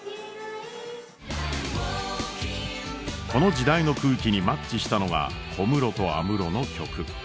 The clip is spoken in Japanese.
この時代の空気にマッチしたのが小室と安室の曲。